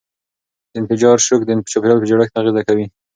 د انفجار شوک د چاپیریال په جوړښت اغېزه کوي.